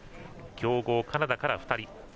強豪カナダから２人。